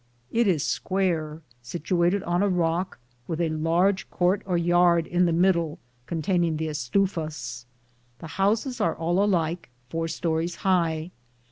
It is square, situated on a rock, with a large court or yard in the middle, containing the estufas. The houses are all alike, four stories high.